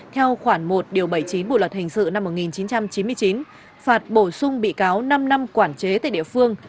theo khoản một bảy mươi chín bộ luật hình sự năm một nghìn chín trăm chín mươi chín phạt bổ sung bị cáo năm năm quản chế tại địa phương